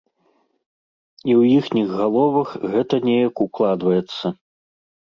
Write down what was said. І ў іхніх галовах гэта неяк укладваецца.